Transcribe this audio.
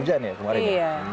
hujan ya kemarin